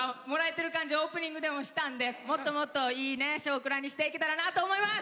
オープニングでもしたんでもっともっといいね「少クラ」にしていけたらなと思います。